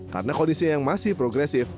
karena kondisinya yang masih progresif